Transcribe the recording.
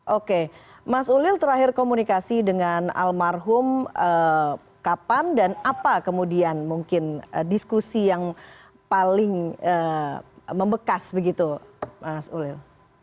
oke mas ulil terakhir komunikasi dengan almarhum kapan dan apa kemudian mungkin diskusi yang paling membekas begitu mas ulil